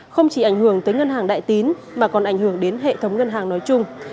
không chỉ ảnh hưởng tới ngân hàng đại tín mà còn ảnh hưởng đến hệ thống ngân hàng nói chung